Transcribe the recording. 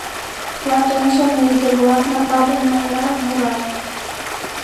Клат ончылно ӱдыр-влак, Марпа ден Майра, мурат: